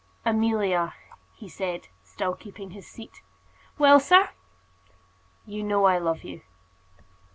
"Amelia," he said, still keeping his seat. "Well, sir?" "You know I love you."